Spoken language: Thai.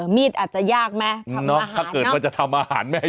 มีดอาจจะยากไหมทำอาหารเนอะถ้าเกิดเขาจะทำอาหารไหม